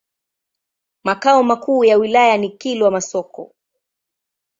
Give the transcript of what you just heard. Makao makuu ya wilaya ni Kilwa Masoko.